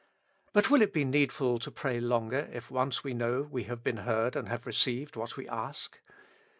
But will it be needful to pray longer if once we know we have been heard and have received what we asked